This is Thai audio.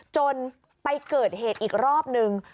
จนไปเกิดเหตุอีกรอบนึง